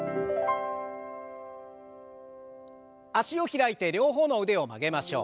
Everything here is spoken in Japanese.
脚を開いて両方の腕を曲げましょう。